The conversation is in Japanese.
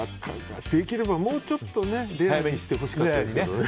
できればもうちょっとレアめにしてほしかったですけど。